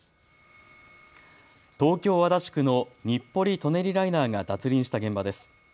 東京足立区の日暮里・舎人ライナーが脱輪した現場です。